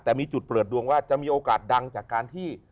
แต่มีจุดเปิดดวงว่าจะมีโอกาสดังจากการที่